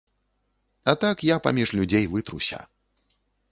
А так я паміж людзей вытруся.